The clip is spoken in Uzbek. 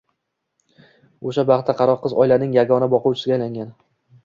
O’sha bahti qaro qiz oilaning yagona boquvchisiga aylangan.